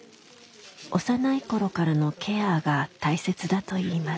幼い頃からのケアが大切だといいます。